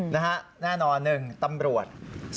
แน่นอน๑ตำรวจ